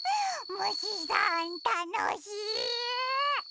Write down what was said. むしさんたのしい！